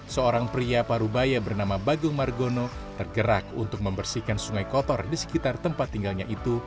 seorang pria parubaya bernama bagung margono tergerak untuk membersihkan sungai kotor di sekitar tempat tinggalnya itu